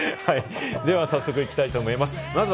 では早速いきたいと思います。